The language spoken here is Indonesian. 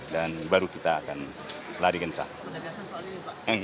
dan baru kita akan lari kencang